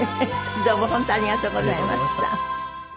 どうも本当ありがとうございました。